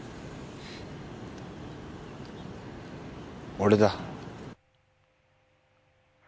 俺だ。